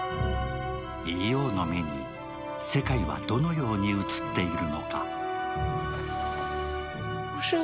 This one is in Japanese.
ＥＯの目に世界はどのように映っているのか。